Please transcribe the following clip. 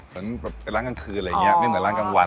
เหมือนแบบเป็นร้านกลางคืนอะไรอย่างนี้ไม่เหมือนร้านกลางวัน